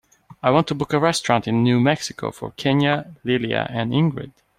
I want to book a restaurant in New Mexico for kenya, lilia and ingrid.